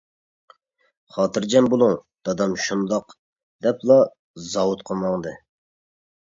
خاتىرجەم بولۇڭ :-دادام شۇنداق دەپلا زاۋۇتقا ماڭدى.